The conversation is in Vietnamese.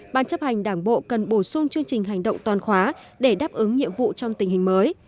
ban chấp hành đảng bộ cần bổ sung chương trình hành động toàn khóa để đáp ứng nhiệm vụ trong tình hình mới